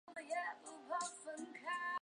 孙铂早期在大连实德梯队接受足球训练。